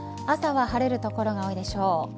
朝は晴れる所が多いでしょう。